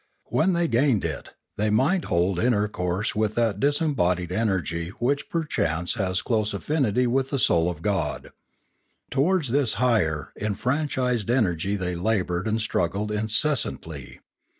When they gained it, they might hold intercourse with that disembodied energy which perchance has close affinity with the soul of God. Towards this higher, enfranchised energy they laboured and struggled incessantly.